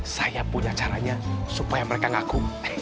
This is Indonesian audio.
saya punya caranya supaya mereka ngaku